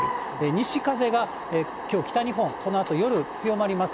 西風がきょう、北日本、このあと夜、強まります。